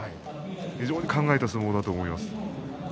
非常に考えた相撲だと思います。